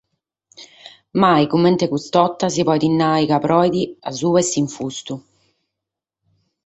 Mai comente custa borta si podet nàrrere chi proet a subra de s’infustu.